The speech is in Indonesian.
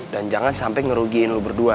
dan jangan sampai ngerugiin lo berdua